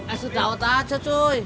eh sudah otak aja cuy